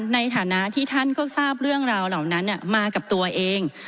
ในฐานะที่ท่านก็ทราบเรื่องราวเหล่านั้นมากับตัวเอง